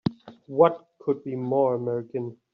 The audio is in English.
What could be more American!